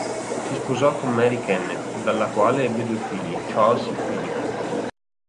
Si sposò con Mary Kennet, dalla quale ebbe due figli: Charles e Philip.